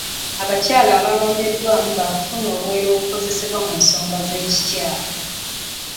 Abakyala abalondeddwamu b'akufuna obuwero obukozesebwa mu nsonga z'ekikyakala.